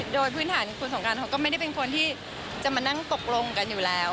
โดยพื้นฐานคุณสงการเขาก็ไม่ได้เป็นคนที่จะมานั่งตกลงกันอยู่แล้ว